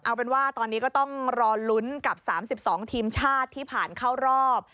เอาเป็นว่าตอนนี้ก็ต้องรอลุ้นกับ๓๒ทีมชาติที่ผ่านเข้ารอบ